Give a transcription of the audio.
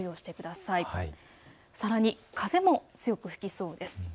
さらに風も強く吹きそうです。